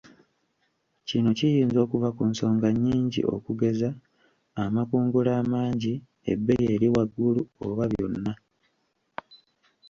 Kino kiyinza okuva ku nsonga nnyingi okugeza amakungula amangi, ebbeeyi eri waggulu oba byonna.